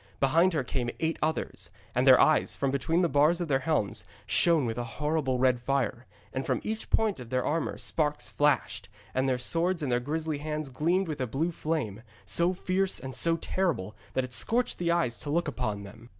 Behind her came eight others. And their eyes, from between the bars of their helms, shone with a horrible red fire, and from each point of their armour sparks flashed, and the swords in their grisly hands gleamed with a blue flame, so fierce and so terrible that it scorched the eyes to look upon them.